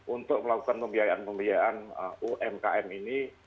untuk melakukan pembiayaan pembiayaan umkm ini